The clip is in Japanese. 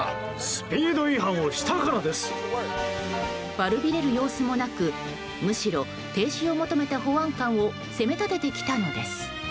悪びれる様子もなくむしろ、停止を求めた保安官を責め立ててきたのです。